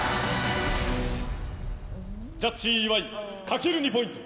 ジャッジ、岩井かける２ポイント。